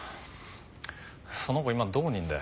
その子今どこにいるんだよ？